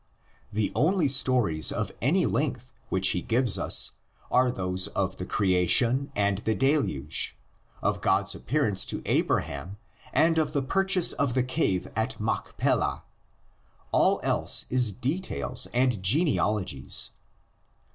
The only stories of any length which he gives us are those of the Creation and the Deluge, of God's appear ance to Abraham and of the purchase of the cave at Machpelah; all else is details and genealogies.